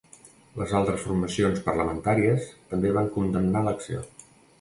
Les altres formacions parlamentàries també van condemnar l’acció.